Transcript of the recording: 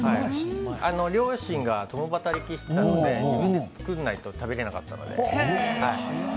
両親が共働きしていたので作らないと食べられなかったので。